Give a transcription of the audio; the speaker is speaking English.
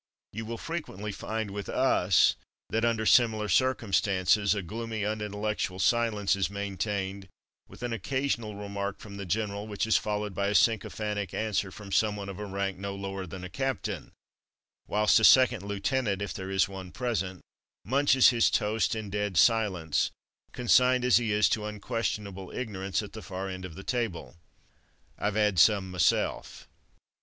You will frequently find Chilly Quarters 163 with us that, under similar circumstances, a gloomy, unintellectual silence is main tained, with an occasional remark from the general which is followed by a sycophantic answer from someone of a rank no lower than a captain; whilst a second lieutenant (if there is one present) munches his toast in dead silence, consigned as he is to unques tionable ignorance at the far end of the table. Fve 'ad some myself.